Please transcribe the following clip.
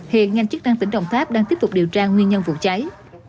hiện ngành chức năng tỉnh đồng tháp đang tiếp tục điều tra nguyên nhân vụ cháy